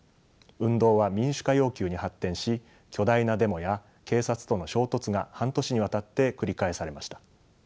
運動は民主化要求に発展し巨大なデモや警察との衝突が半年にわたって繰り返されました。